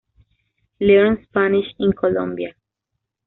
Learn Spanish in Colombia.